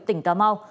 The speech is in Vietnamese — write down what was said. tỉnh cà mau